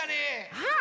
あっ